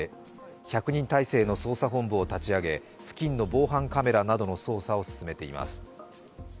１００人態勢の捜査本部を立ち上げ付近の防犯カメラなどの操作を進めています。